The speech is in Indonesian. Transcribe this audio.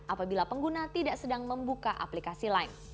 apabila pengguna tidak sedang membuka aplikasi lain